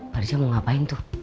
pak rizal mau ngapain tuh